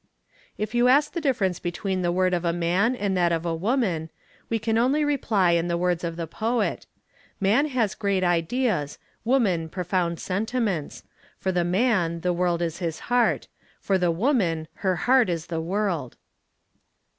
| If you ask the difference between the word of a man and that of 2 woman, we can only reply in the words of the poet, "man has great ideas, woman profound sentiments; for the man, the world is his heart; for the woman, her heart is the world.